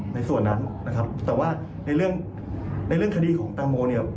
ในส่วนนั้นนะครับแต่ว่าในเรื่องในเรื่องคดีของแตงโมเนี่ย